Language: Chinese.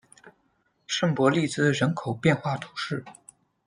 圣博利兹人口变化图示